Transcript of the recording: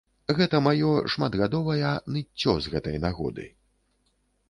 Гэтае маё шматгадовая ныццё з гэтай нагоды.